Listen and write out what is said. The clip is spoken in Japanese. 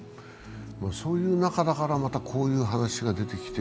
そういう中だからまた、こういう話が出てきて、